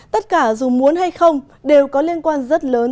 tất cả dù muốn hay không đều có liên quan rất lớn